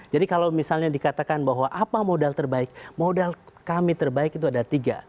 jadi kalau misalnya dikatakan bahwa apa modal terbaik modal kami terbaik itu ada tiga